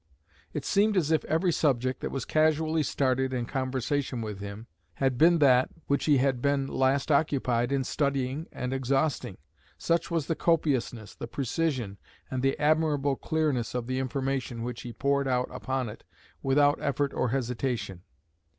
It seemed as if every subject that was casually started in conversation with him, had been that which he had been last occupied in studying and exhausting; such was the copiousness, the precision, and the admirable clearness of the information which he poured out upon it without effort or hesitation.